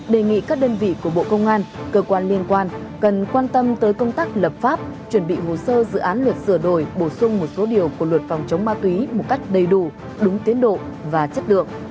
đề nghị các đơn vị của bộ công an cơ quan liên quan cần quan tâm tới công tác lập pháp chuẩn bị hồ sơ dự án luật sửa đổi bổ sung một số điều của luật phòng chống ma túy một cách đầy đủ đúng tiến độ và chất lượng